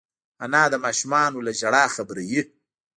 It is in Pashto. انا د ماشومانو له ژړا خبروي